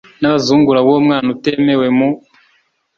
n abazungura b uwo mwana utemewe mu